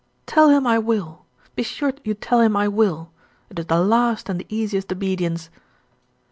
"Tell him I will. Be sure you tell him I will. It is the last and the easiest obedience."